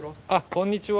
こんにちは。